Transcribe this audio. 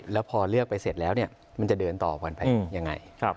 แล้วพอเลือกไปเสร็จแล้วมันจะเดินต่อกันไปยังไง